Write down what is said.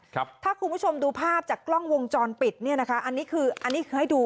ถ้าคุณผู้ชมดูภาพจากกล้องวงจรปิดเนี่ยนะคะอันนี้คืออันนี้คือให้ดู